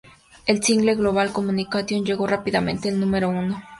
El single "Global Communication" llegó rápidamente al número uno.